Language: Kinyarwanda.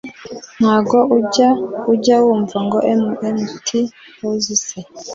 ntago ujya ujya wumva ngo MMT HOUSE se